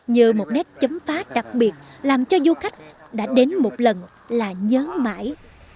nhờ một nét chấm phá đặc biệt làm cho du khách đã đến một lần là nhớ mãi